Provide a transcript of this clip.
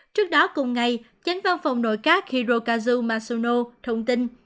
trước đó cùng ngày chánh văn phòng nội các hirokazu matsuno thông tin